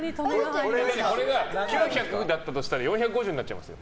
これが９００だったとしたら４５０になっちゃいますよ